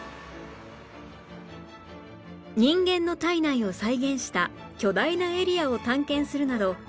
人間の体内を再現した巨大なエリアを探検するなど